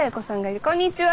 こんにちは。